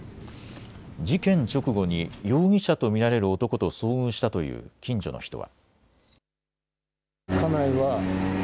事件直後に容疑者と見られる男と遭遇したという近所の人は。